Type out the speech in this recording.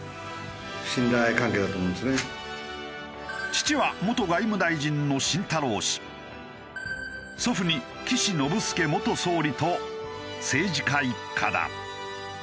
父は元外務大臣の晋太郎氏祖父に岸信介元総理と政治家一家だ。